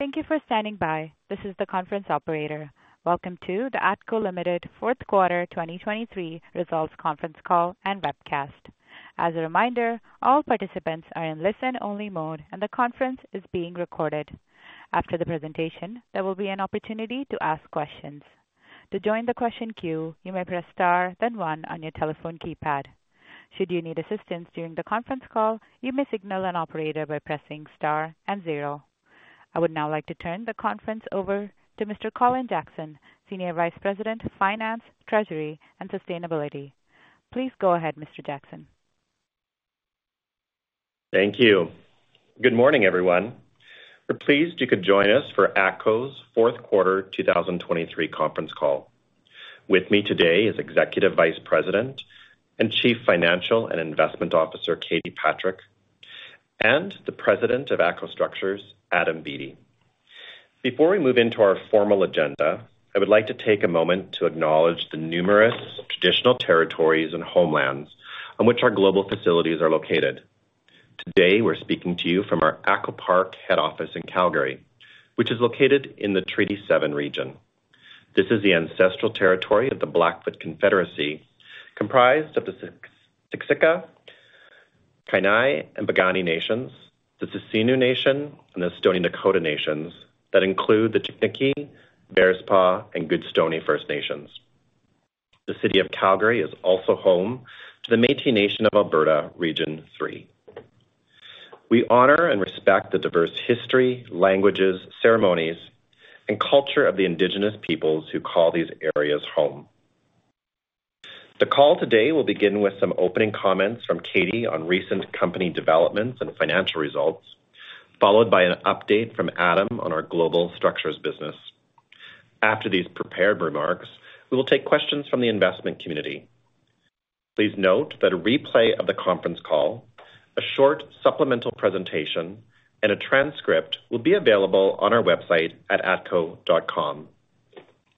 Thank you for standing by. This is the conference operator. Welcome to the ATCO Limited Fourth Quarter 2023 Results Conference Call and Webcast. As a reminder, all participants are in listen-only mode, and the conference is being recorded. After the presentation, there will be an opportunity to ask questions. To join the question queue, you may press Star, then one on your telephone keypad. Should you need assistance during the conference call, you may signal an operator by pressing Star and zero. I would now like to turn the conference over to Mr. Colin Jackson, Senior Vice President, Finance, Treasury, and Sustainability. Please go ahead, Mr. Jackson. Thank you. Good morning, everyone. We're pleased you could join us for ATCO's fourth quarter 2023 conference call. With me today is Executive Vice President and Chief Financial and Investment Officer, Katie Patrick, and the President of ATCO Structures, Adam Beattie. Before we move into our formal agenda, I would like to take a moment to acknowledge the numerous traditional territories and homelands on which our global facilities are located. Today, we're speaking to you from our ATCO Park head office in Calgary, which is located in the Treaty Seven region. This is the ancestral territory of the Blackfoot Confederacy, comprised of the Siksika, Kainai, and Piikani nations, the Tsuut'ina Nation, and the Stoney Nakoda Nations that include the Chiniki, Bearspaw, and Goodstoney First Nations. The City of Calgary is also home to the Métis Nation of Alberta, Region Three. We honor and respect the diverse history, languages, ceremonies, and culture of the Indigenous peoples who call these areas home. The call today will begin with some opening comments from Katie on recent company developments and financial results, followed by an update from Adam on our global structures business. After these prepared remarks, we will take questions from the investment community. Please note that a replay of the conference call, a short supplemental presentation, and a transcript will be available on our website at atco.com,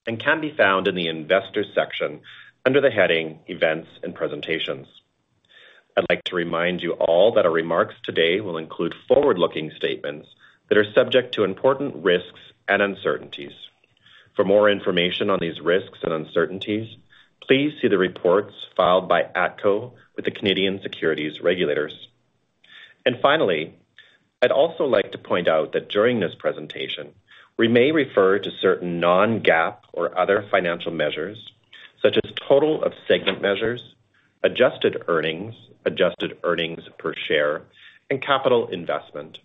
and can be found in the Investors section under the heading Events and Presentations. I'd like to remind you all that our remarks today will include forward-looking statements that are subject to important risks and uncertainties. For more information on these risks and uncertainties, please see the reports filed by ATCO with the Canadian securities regulators. Finally, I'd also like to point out that during this presentation, we may refer to certain non-GAAP or other financial measures, such as Total of Segment Measures, Adjusted Earnings, Adjusted Earnings Per Share, and Capital Investment.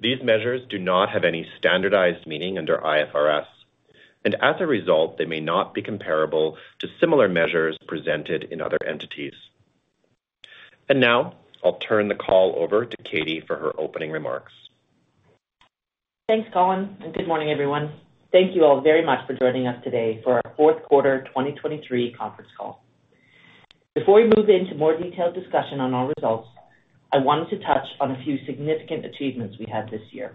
These measures do not have any standardized meaning under IFRS, and as a result, they may not be comparable to similar measures presented in other entities. Now I'll turn the call over to Katie for her opening remarks. Thanks, Colin, and good morning, everyone. Thank you all very much for joining us today for our fourth quarter 2023 conference call. Before we move into more detailed discussion on our results, I wanted to touch on a few significant achievements we had this year.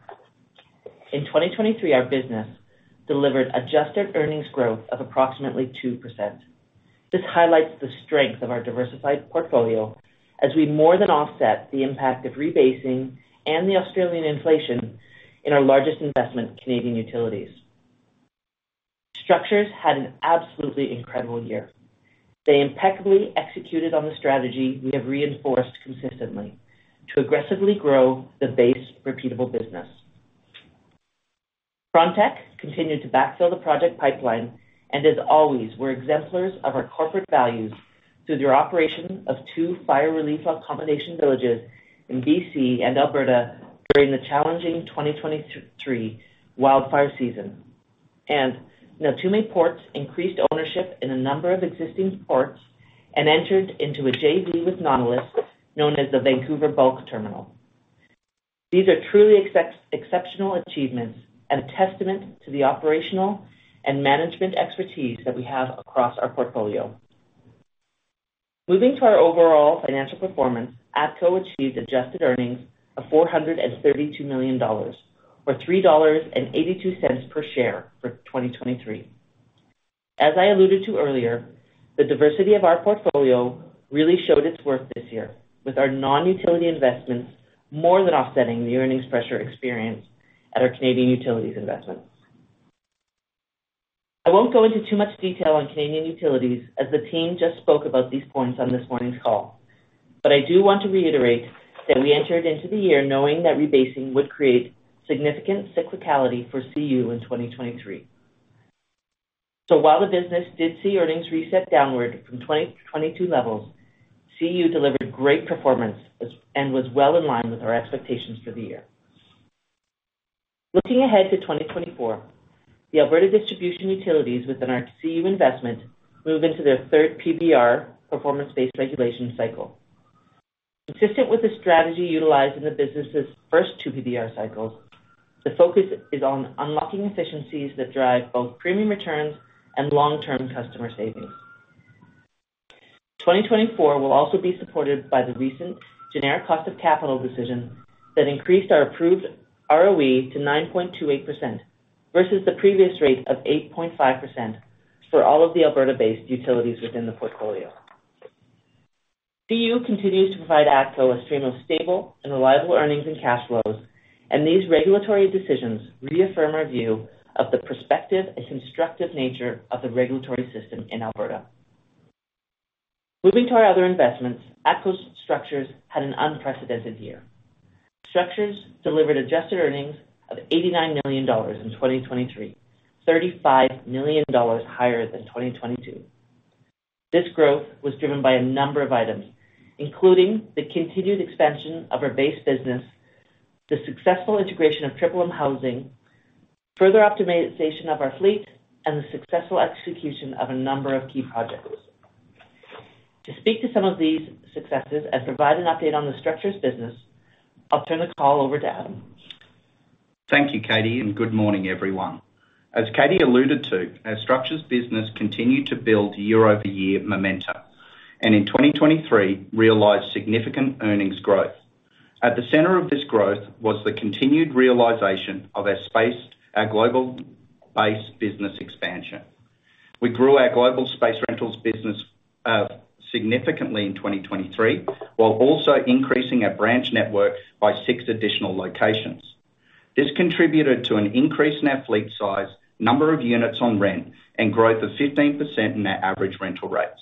In 2023, our business delivered Adjusted Earnings growth of approximately 2%. This highlights the strength of our diversified portfolio as we more than offset the impact of rebasing and the Australian inflation in our largest investment, Canadian Utilities. Structures had an absolutely incredible year. They impeccably executed on the strategy we have reinforced consistently to aggressively grow the base repeatable business. Frontec continued to backfill the project pipeline and as always, we're exemplars of our corporate values through their operation of two fire relief accommodation villages in BC and Alberta during the challenging 2023 wildfire season. Neltume Ports increased ownership in a number of existing ports and entered into a JV with Nautilus, known as the Vancouver Bulk Terminal. These are truly exceptional achievements and a testament to the operational and management expertise that we have across our portfolio. Moving to our overall financial performance, ATCO achieved adjusted earnings of 432 million dollars or 3.82 dollars per share for 2023. As I alluded to earlier, the diversity of our portfolio really showed its worth this year, with our non-utility investments more than offsetting the earnings pressure experienced at our Canadian Utilities investment. I won't go into too much detail on Canadian Utilities, as the team just spoke about these points on this morning's call, but I do want to reiterate that we entered into the year knowing that rebasing would create significant cyclicality for CU in 2023. So while the business did see earnings reset downward from 2022 levels, CU delivered great performance and was well in line with our expectations for the year. Looking ahead to 2024, the Alberta distribution utilities within our CU investment move into their third PBR, performance-based regulation cycle. Consistent with the strategy utilized in the business's first two PBR cycles, the focus is on unlocking efficiencies that drive both premium returns and long-term customer savings. 2024 will also be supported by the recent Generic Cost of Capital decision that increased our approved ROE to 9.28% versus the previous rate of 8.5% for all of the Alberta-based utilities within the portfolio. CU continues to provide ATCO a stream of stable and reliable earnings and cash flows, and these regulatory decisions reaffirm our view of the prospective and constructive nature of the regulatory system in Alberta. Moving to our other investments, ATCO Structures had an unprecedented year. Structures delivered Adjusted Earnings of 89 million dollars in 2023, 35 million dollars higher than 2022. This growth was driven by a number of items, including the continued expansion of our base business, the successful integration of Triple M Housing, further optimization of our fleet, and the successful execution of a number of key projects. To speak to some of these successes and provide an update on the structures business, I'll turn the call over to Adam. Thank you, Katie, and good morning, everyone. As Katie alluded to, our structures business continued to build year-over-year momentum, and in 2023 realized significant earnings growth. At the center of this growth was the continued realization of our space, our global base business expansion. We grew our global space rentals business significantly in 2023, while also increasing our branch network by six additional locations. This contributed to an increase in our fleet size, number of units on rent, and growth of 15% in our average rental rates.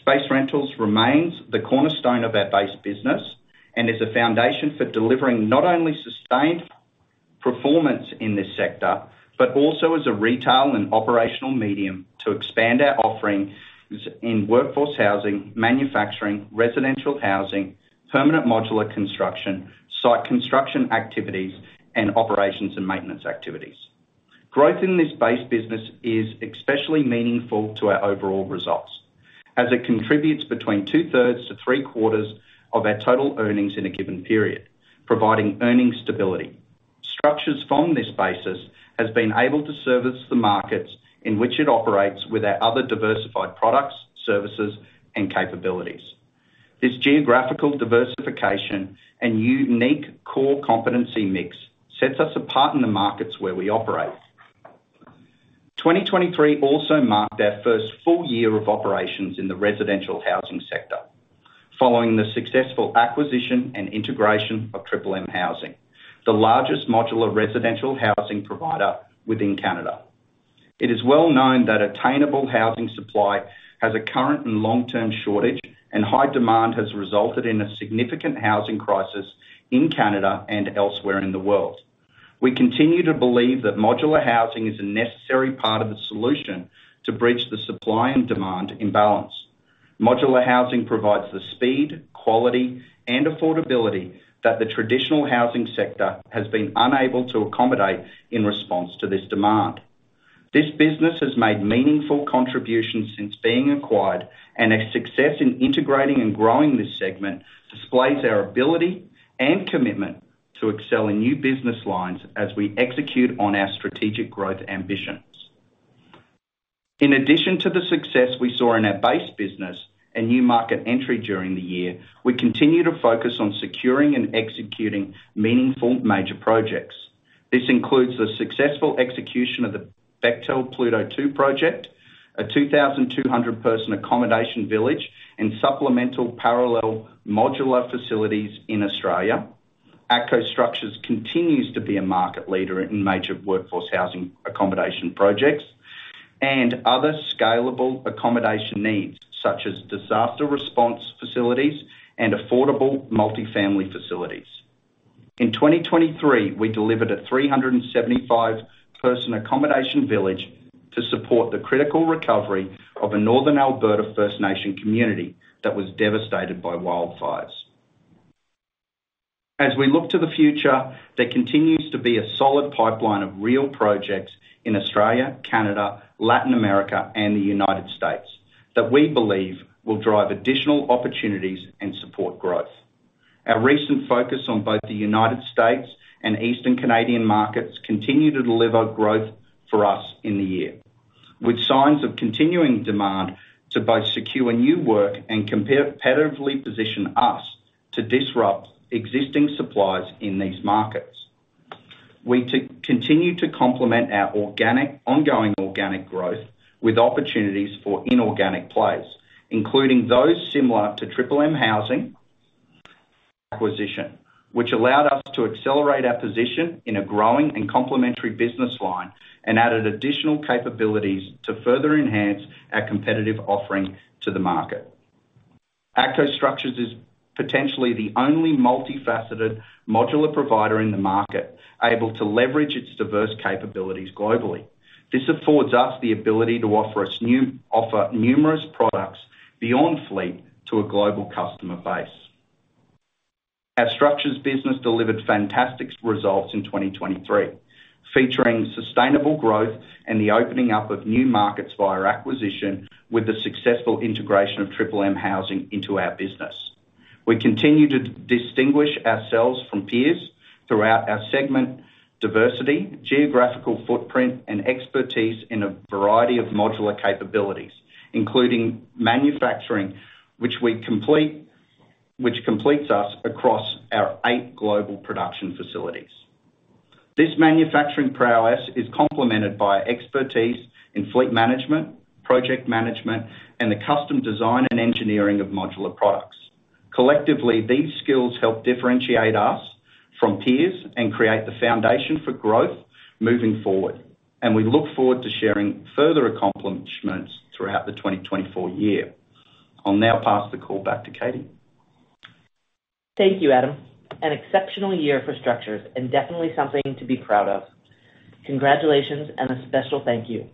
Space rentals remains the cornerstone of our base business and is a foundation for delivering not only sustained performance in this sector, but also as a retail and operational medium to expand our offerings in workforce housing, manufacturing, residential housing, permanent modular construction, site construction activities, and operations and maintenance activities. Growth in this base business is especially meaningful to our overall results, as it contributes between 2/3-3/4 of our total earnings in a given period, providing earning stability. Structures from this basis has been able to service the markets in which it operates with our other diversified products, services, and capabilities. This geographical diversification and unique core competency mix sets us apart in the markets where we operate. 2023 also marked our first full year of operations in the residential housing sector, following the successful acquisition and integration of Triple M Housing, the largest modular residential housing provider within Canada. It is well known that attainable housing supply has a current and long-term shortage, and high demand has resulted in a significant housing crisis in Canada and elsewhere in the world. We continue to believe that modular housing is a necessary part of the solution to bridge the supply and demand imbalance. Modular housing provides the speed, quality, and affordability that the traditional housing sector has been unable to accommodate in response to this demand. This business has made meaningful contributions since being acquired, and our success in integrating and growing this segment displays our ability and commitment to excel in new business lines as we execute on our strategic growth ambitions. In addition to the success we saw in our base business and new market entry during the year, we continue to focus on securing and executing meaningful major projects. This includes the successful execution of the Bechtel Pluto Two project, a 2,200-person accommodation village, and supplemental parallel modular facilities in Australia. ATCO Structures continues to be a market leader in major workforce housing accommodation projects and other scalable accommodation needs, such as disaster response facilities and affordable multifamily facilities. In 2023, we delivered a 375-person accommodation village to support the critical recovery of a northern Alberta First Nation community that was devastated by wildfires. As we look to the future, there continues to be a solid pipeline of real projects in Australia, Canada, Latin America, and the United States, that we believe will drive additional opportunities and support growth. Our recent focus on both the United States and Eastern Canadian markets continue to deliver growth for us in the year, with signs of continuing demand to both secure new work and competitively position us to disrupt existing supplies in these markets. We continue to complement our ongoing organic growth with opportunities for inorganic plays, including those similar to Triple M Housing acquisition, which allowed us to accelerate our position in a growing and complementary business line, and added additional capabilities to further enhance our competitive offering to the market. ATCO Structures is potentially the only multifaceted modular provider in the market able to leverage its diverse capabilities globally. This affords us the ability to offer numerous products beyond fleet to a global customer base. Our structures business delivered fantastic results in 2023, featuring sustainable growth and the opening up of new markets via acquisition, with the successful integration of Triple M Housing into our business. We continue to distinguish ourselves from peers throughout our segment, diversity, geographical footprint, and expertise in a variety of modular capabilities, including manufacturing, which completes us across our eight global production facilities. This manufacturing prowess is complemented by our expertise in fleet management, project management, and the custom design and engineering of modular products. Collectively, these skills help differentiate us from peers and create the foundation for growth moving forward, and we look forward to sharing further accomplishments throughout the 2024 year. I'll now pass the call back to Katie. Thank you, Adam. An exceptional year for structures and definitely something to be proud of. Congratulations and a special thank you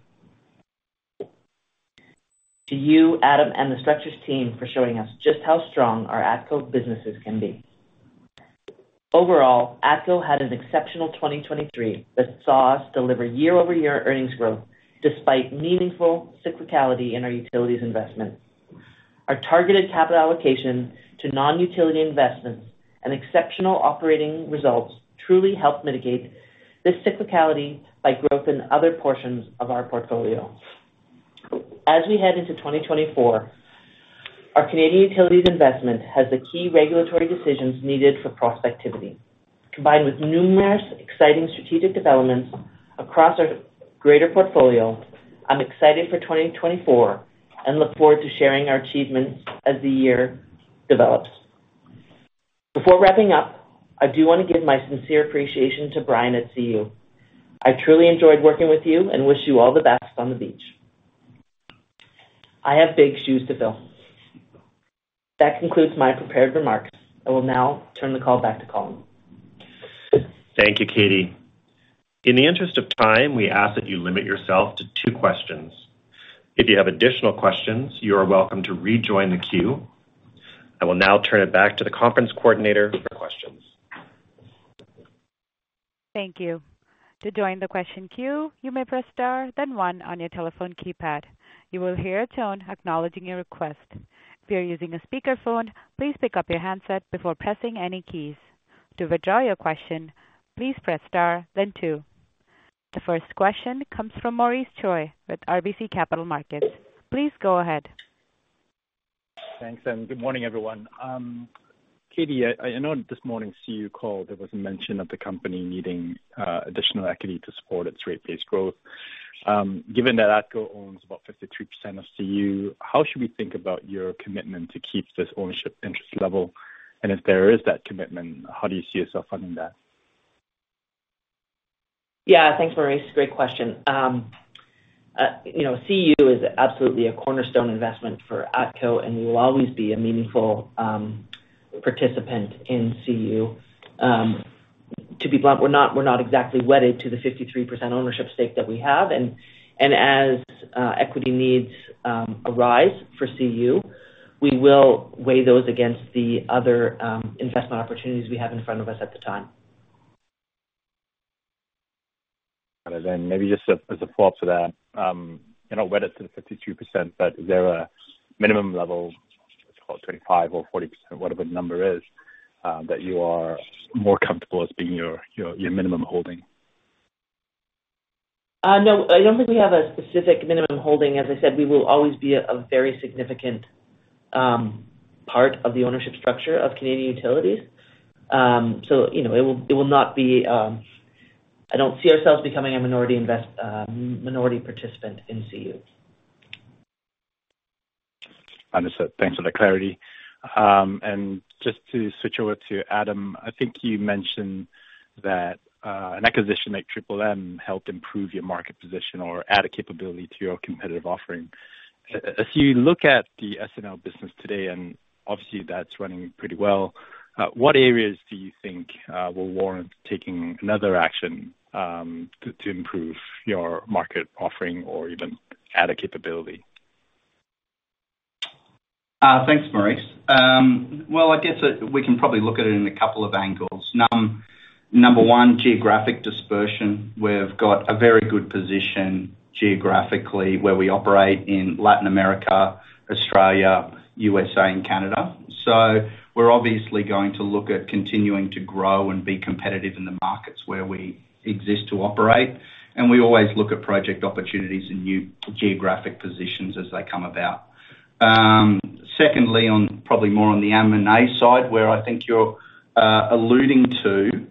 to you, Adam, and the structures team for showing us just how strong our ATCO businesses can be. Overall, ATCO had an exceptional 2023 that saw us deliver year-over-year earnings growth despite meaningful cyclicality in our utilities investment. Our targeted capital allocation to non-utility investments and exceptional operating results truly helped mitigate this cyclicality by growth in other portions of our portfolio. As we head into 2024, our Canadian utilities investment has the key regulatory decisions needed for prospectivity. Combined with numerous exciting strategic developments across our greater portfolio, I'm excited for 2024 and look forward to sharing our achievements as the year develops. Before wrapping up, I do wanna give my sincere appreciation to Brian at CU. I truly enjoyed working with you and wish you all the best on the beach. I have big shoes to fill. That concludes my prepared remarks. I will now turn the call back to Colin. Thank you, Katie. In the interest of time, we ask that you limit yourself to two questions. If you have additional questions, you are welcome to rejoin the queue. I will now turn it back to the conference coordinator for questions. Thank you. To join the question queue, you may press Star, then one on your telephone keypad. You will hear a tone acknowledging your request. If you are using a speakerphone, please pick up your handset before pressing any keys. To withdraw your question, please press Star then two. The first question comes from Maurice Choy with RBC Capital Markets. Please go ahead. Thanks, and good morning, everyone. Katie, I know this morning's CU call, there was a mention of the company needing additional equity to support its rate-based growth. Given that ATCO owns about 53% of CU, how should we think about your commitment to keep this ownership interest level? And if there is that commitment, how do you see yourself funding that? Yeah, thanks, Maurice. Great question. You know, CU is absolutely a cornerstone investment for ATCO, and we will always be a meaningful participant in CU. To be blunt, we're not, we're not exactly wedded to the 53% ownership stake that we have, and, and as equity needs arise for CU, we will weigh those against the other investment opportunities we have in front of us at the time. Then maybe just as a follow-up to that, you know, wedded to the 52%, but is there a minimum level, let's call it 25 or 40%, whatever the number is, that you are more comfortable as being your, your, your minimum holding? No, I don't think we have a specific minimum holding. As I said, we will always be a very significant part of the ownership structure of Canadian Utilities. So, you know, it will not be... I don't see ourselves becoming a minority participant in CU. Understood. Thanks for the clarity. And just to switch over to Adam, I think you mentioned that an acquisition like Triple M helped improve your market position or add a capability to your competitive offering. As you look at the S&L business today, and obviously that's running pretty well, what areas do you think will warrant taking another action, to improve your market offering or even add a capability? Thanks, Maurice. Well, I guess that we can probably look at it in a couple of angles. Number one, geographic dispersion. We've got a very good position geographically, where we operate in Latin America, Australia, USA, and Canada. So we're obviously going to look at continuing to grow and be competitive in the markets where we exist to operate, and we always look at project opportunities in new geographic positions as they come about. Secondly, on probably more on the M&A side, where I think you're alluding to.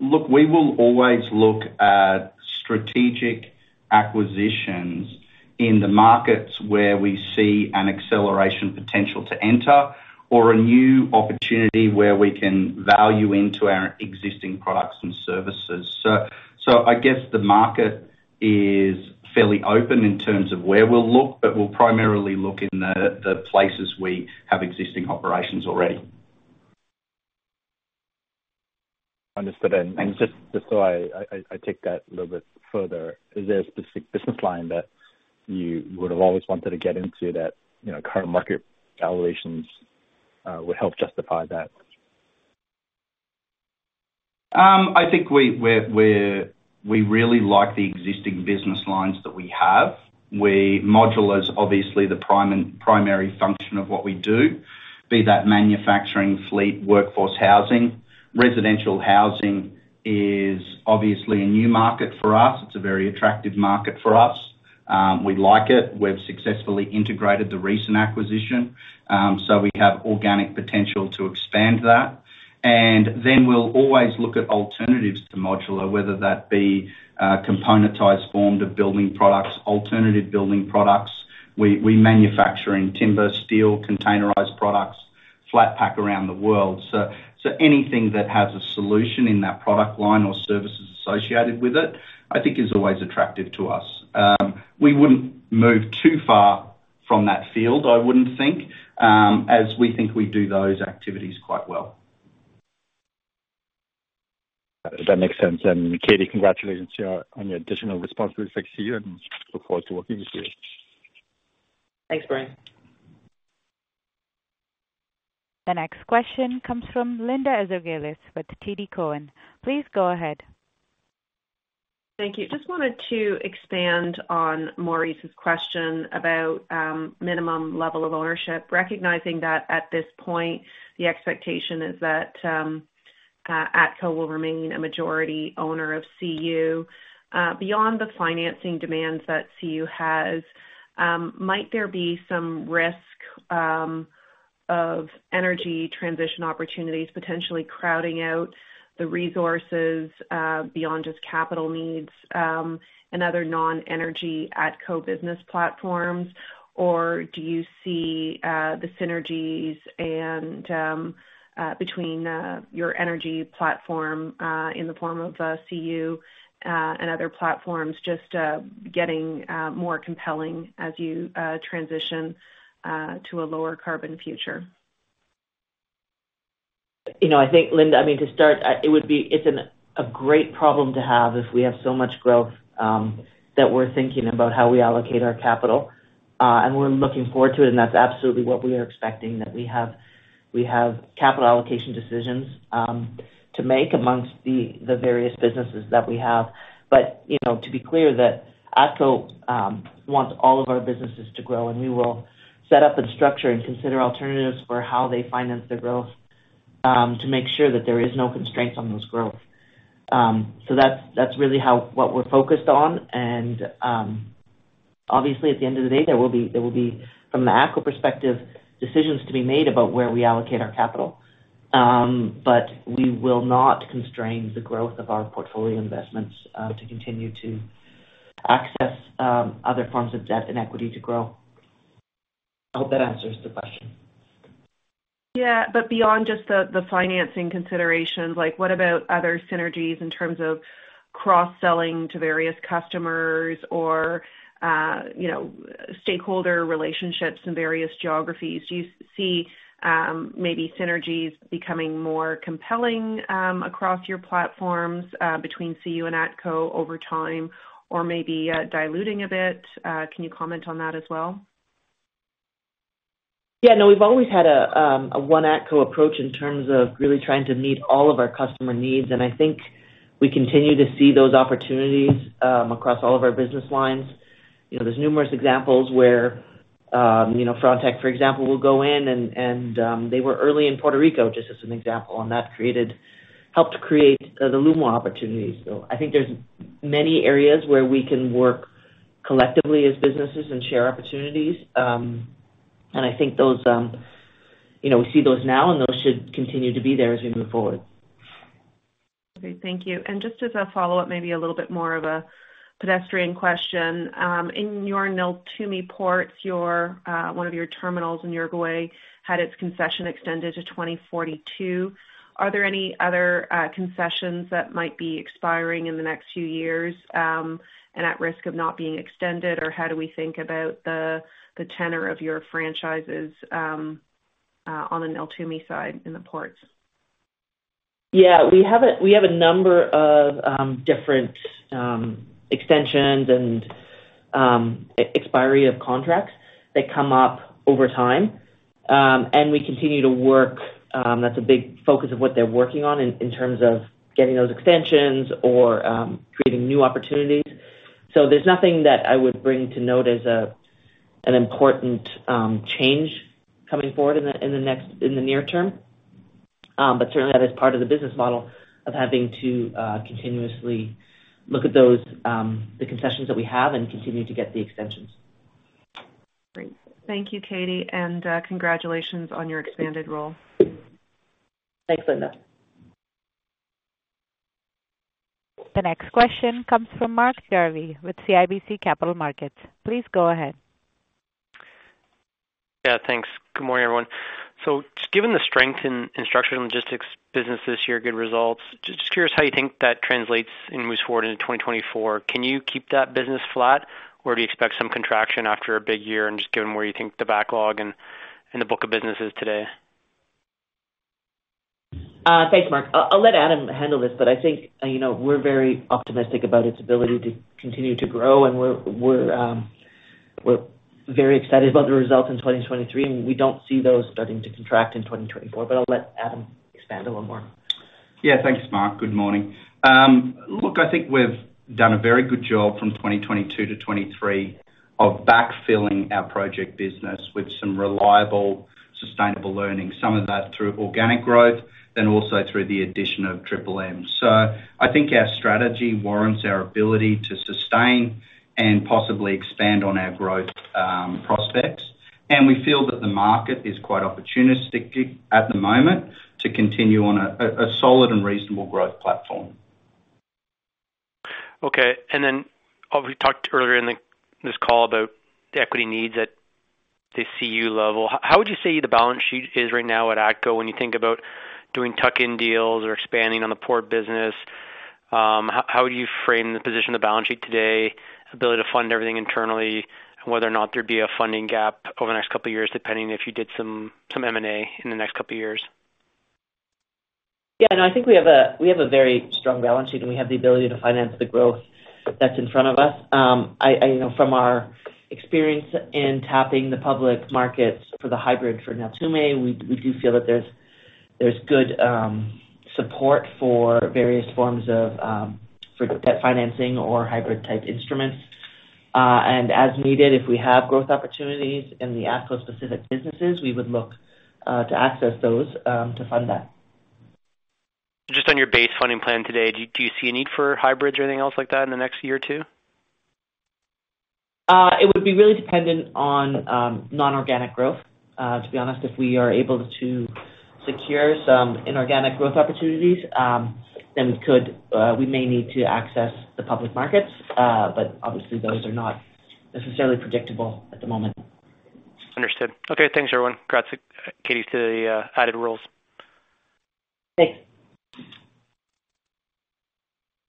Look, we will always look at strategic acquisitions in the markets where we see an acceleration potential to enter or a new opportunity where we can value into our existing products and services. So, I guess the market is fairly open in terms of where we'll look, but we'll primarily look in the places we have existing operations already. Understood. And just so I take that a little bit further, is there a specific business line that you would have always wanted to get into that, you know, current market valuations would help justify that? I think we really like the existing business lines that we have. Modular is obviously the prime and primary function of what we do, be that manufacturing, fleet, workforce, housing. Residential housing is obviously a new market for us. It's a very attractive market for us. We like it. We've successfully integrated the recent acquisition, so we have organic potential to expand that. And then we'll always look at alternatives to modular, whether that be, componentized form to building products, alternative building products. We manufacture in timber, steel, containerized products, flat pack around the world. So anything that has a solution in that product line or services associated with it, I think is always attractive to us. We wouldn't move too far from that field, I wouldn't think, as we think we do those activities quite well. That makes sense. Katie, congratulations to you on your additional responsibilities to you, and look forward to working with you. Thanks, Brian. The next question comes from Linda Ezergailis with TD Cowen. Please go ahead. Thank you. Just wanted to expand on Maurice's question about minimum level of ownership, recognizing that at this point, the expectation is that ATCO will remain a majority owner of CU. Beyond the financing demands that CU has, might there be some risk of energy transition opportunities potentially crowding out the resources beyond just capital needs and other non-energy ATCO business platforms? Or do you see the synergies between your energy platform in the form of CU and other platforms just getting more compelling as you transition to a lower carbon future? You know, I think, Linda, I mean, to start, it would be. It's a great problem to have if we have so much growth that we're thinking about how we allocate our capital. And we're looking forward to it, and that's absolutely what we are expecting, that we have capital allocation decisions to make amongst the various businesses that we have. But, you know, to be clear, that ATCO wants all of our businesses to grow, and we will set up a structure and consider alternatives for how they finance their growth to make sure that there is no constraints on those growth. So that's really how... What we're focused on and, obviously, at the end of the day, there will be, from the ATCO perspective, decisions to be made about where we allocate our capital. But we will not constrain the growth of our portfolio investments to continue to access other forms of debt and equity to grow. I hope that answers the question. Yeah, but beyond just the financing considerations, like what about other synergies in terms of cross-selling to various customers or, you know, stakeholder relationships in various geographies? Do you see maybe synergies becoming more compelling across your platforms between CU and ATCO over time or maybe diluting a bit? Can you comment on that as well? Yeah. No, we've always had a a one ATCO approach in terms of really trying to meet all of our customer needs, and I think we continue to see those opportunities across all of our business lines. You know, there's numerous examples where, you know, Frontec, for example, will go in and they were early in Puerto Rico, just as an example, and that created - helped create the LUMA opportunity. So I think there's many areas where we can work collectively as businesses and share opportunities. And I think those, you know, we see those now, and those should continue to be there as we move forward. Okay, thank you. Just as a follow-up, maybe a little bit more of a pedestrian question. In your Neltume Ports, your one of your terminals in Uruguay, had its concession extended to 2042. Are there any other concessions that might be expiring in the next few years, and at risk of not being extended? Or how do we think about the, the tenor of your franchises, on the Neltume side in the ports? Yeah, we have a, we have a number of different extensions and expiry of contracts that come up over time. And we continue to work, that's a big focus of what they're working on in terms of getting those extensions or creating new opportunities. So there's nothing that I would bring to note as a, an important change coming forward in the next, in the near term. But certainly that is part of the business model of having to continuously look at those, the concessions that we have and continue to get the extensions. Great. Thank you, Katie, and congratulations on your expanded role. Thanks, Linda. The next question comes from Mark Jarvi with CIBC Capital Markets. Please go ahead. Yeah, thanks. Good morning, everyone. So just given the strength in Structures and Logistics business this year, good results, just curious how you think that translates and moves forward into 2024. Can you keep that business flat, or do you expect some contraction after a big year and just given where you think the backlog and the book of business is today? Thanks, Mark. I'll let Adam handle this, but I think, you know, we're very optimistic about its ability to continue to grow, and we're very excited about the results in 2023, and we don't see those starting to contract in 2024. But I'll let Adam expand a little more. Yeah, thanks, Mark. Good morning. Look, I think we've done a very good job from 2022 to 2023 of backfilling our project business with some reliable, sustainable earnings, some of that through organic growth and also through the addition of Triple M. So I think our strategy warrants our ability to sustain and possibly expand on our growth prospects. ...we feel that the market is quite opportunistic at the moment to continue on a solid and reasonable growth platform. Okay. And then, obviously, you talked earlier in this call about the equity needs at the CU level. How would you say the balance sheet is right now at ATCO when you think about doing tuck-in deals or expanding on the port business, how would you frame the position of the balance sheet today, ability to fund everything internally, and whether or not there'd be a funding gap over the next couple of years, depending if you did some M&A in the next couple of years? Yeah, no, I think we have a very strong balance sheet, and we have the ability to finance the growth that's in front of us. I know from our experience in tapping the public markets for the hybrid for Neltume, we do feel that there's good support for various forms of for debt financing or hybrid-type instruments. And as needed, if we have growth opportunities in the ATCO-specific businesses, we would look to access those to fund that. Just on your base funding plan today, do you see a need for hybrids or anything else like that in the next year or two? It would be really dependent on non-organic growth, to be honest. If we are able to secure some inorganic growth opportunities, then we could, we may need to access the public markets, but obviously, those are not necessarily predictable at the moment. Understood. Okay, thanks, everyone. Congrats, Katie, to the added roles. Thanks.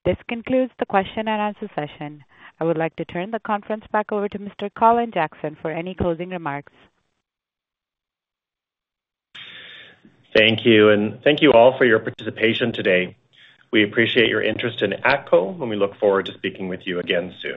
This concludes the question and answer session. I would like to turn the conference back over to Mr. Colin Jackson for any closing remarks. Thank you, and thank you all for your participation today. We appreciate your interest in ATCO, and we look forward to speaking with you again soon.